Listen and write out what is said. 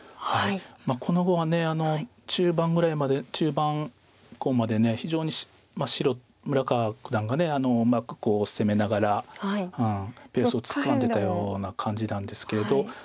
この碁は中盤ぐらいまで中盤以降まで非常に白村川九段がうまく攻めながらペースをつかんでたような感じなんですけれど。